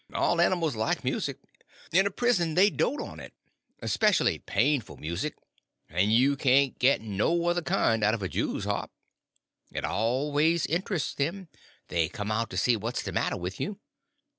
All animals like music—in a prison they dote on it. Specially, painful music; and you can't get no other kind out of a jews harp. It always interests them; they come out to see what's the matter with you.